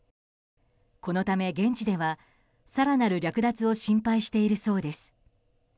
このため、現地では更なる略奪を心配しているそうです。